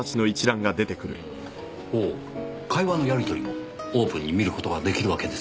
ほう会話のやり取りもオープンに見る事が出来るわけですね。